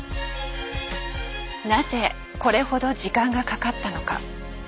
なぜこれほど時間がかかったのか。